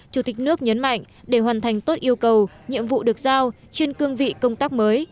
chủ tịch nước nhấn mạnh để hoàn thành tốt yêu cầu nhiệm vụ được giao trên cương vị công tác mới